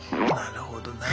なるほどな。